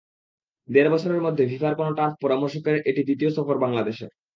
দেড় বছরের মধ্যে ফিফার কোনো টার্ফ পরামর্শকের এটি দ্বিতীয় সফর বাংলাদেশে।